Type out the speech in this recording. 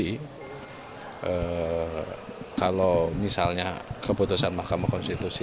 kalau misalnya keputusan mahkamah konstitusi kalau misalnya keputusan mahkamah konstitusi